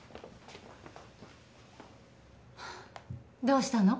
どうしたの？